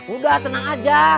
udah tenang aja